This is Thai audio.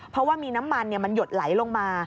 เพราะว่ามีน้ำมันมันหยดไหลลงมา